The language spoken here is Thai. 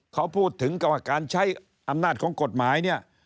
เขาพูดถึงการใช้อำนาจของกฎหมาย